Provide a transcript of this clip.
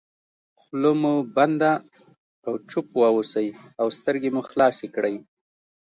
خوله مو بنده او چوپ واوسئ او سترګې مو خلاصې کړئ.